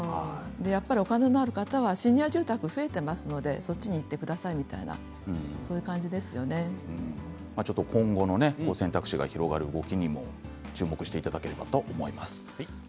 お金がある方はシニア住宅が増えているのでそちらに行ってくださいという今後も選択肢が広がる動きに注目していただきたいと思います。